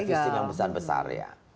ilegal fishing yang besar besar ya